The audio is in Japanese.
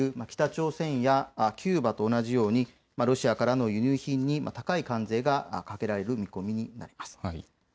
北朝鮮やキューバと同じようにロシアからの輸入品に高い関税がかけられる見込みになります。